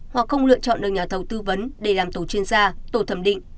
hoặc không lựa chọn được nhà thầu tư vấn để làm tổ chuyên gia tổ thẩm định